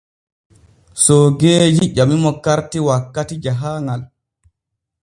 Soogeeji ƴamimo karti wakkati jahaaŋal.